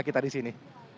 kita di sini